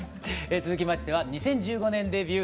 続きましては２０１５年デビュー